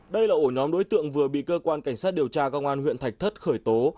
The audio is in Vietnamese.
đây là ổ nhóm đối tượng vừa bị cơ quan cảnh sát điều tra công an huyện thạch thất khởi tố